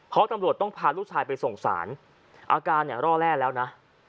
เพราะตำรวจต้องพาลูกชายไปส่งสารอาการเนี่ยร่อแร่แล้วนะ